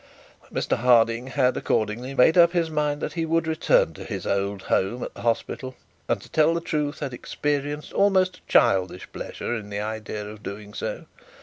Mr Harding had, accordingly, made up his mind that he would return to his old house at the hospital, and to tell the truth, had experienced almost a childish pleasure in the idea of doing so.